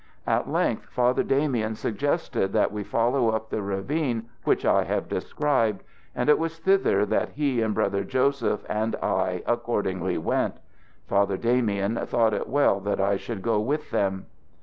At length Father Damien suggested that we follow up the ravine which I have described, and it was thither that he and Brother Joseph and I accordingly went. Father Damien thought it well that I should go with them.